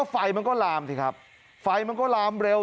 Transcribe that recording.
ไฟมันก็ลามสิครับไฟมันก็ลามเร็ว